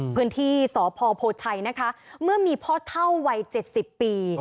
พื้นที่สพโพชัยนะคะเมื่อมีพ่อเท่าวัย๗๐ปี